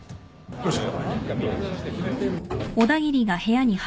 どうした？